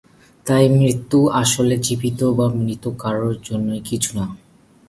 তাই মৃত্যু আসলে জীবিত বা মৃত কারোর জন্যই কিছু না।